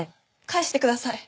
返してください！